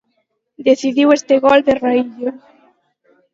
Decidiu este gol de Raillo.